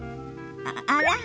あら？